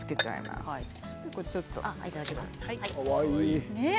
かわいい。